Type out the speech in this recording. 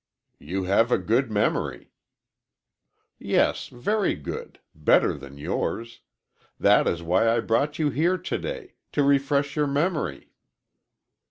"You have a good memory." "Yes, very good better than yours. That is why I brought you here to day to refresh your memory."